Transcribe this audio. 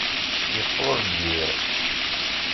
Yeqqur lbir.